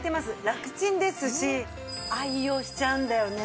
ラクチンですし愛用しちゃうんだよね。